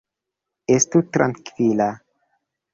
Estu trankvila.